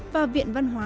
và viện văn hóa